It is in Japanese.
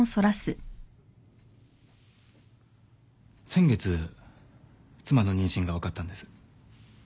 先月妻の妊娠が分かったんです。